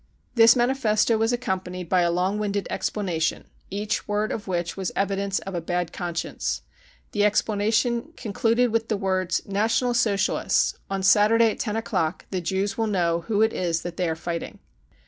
This manifesto was accompanied by a long winded explanation each word of which was evidence of a bad conscience. The explanation conduded with the words " National Socialists ! On Saturday at 10 o'clock, the Jews will know who it is that they are fighting."